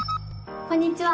こんにちは。